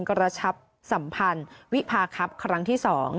กระชับสัมพันธ์วิพาครับครั้งที่๒